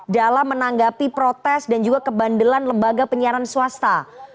dalam menanggapi protes dan juga kebandelan lembaga penyiaran swasta